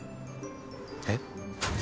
えっ。